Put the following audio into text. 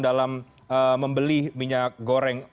dalam membeli minyak goreng